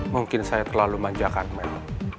mungkin saya terlalu manjakan main